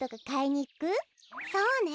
そうね。